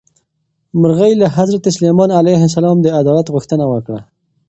مرغۍ له حضرت سلیمان علیه السلام د عدالت غوښتنه وکړه.